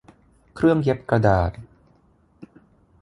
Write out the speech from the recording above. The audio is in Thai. เครื่องเย็บกระดาษ